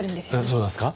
そうなんですか？